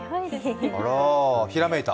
あら、ひらめいた？